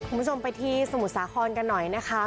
คุณผู้ชมไปที่สมุทรสาครกันหน่อยนะคะ